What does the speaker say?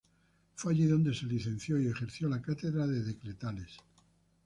Fue allí donde se licenció y ejerció la cátedra de Decretales.